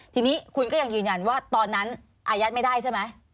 ทีนี้คุณก็ยังยืนยันว่าตอนนั้นอายัดไม่ได้ใช่ไหม